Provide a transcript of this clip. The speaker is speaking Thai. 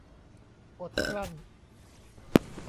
อดกลั้น